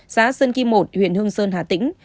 giá sơn kim một huyện hương sơn hà tĩnh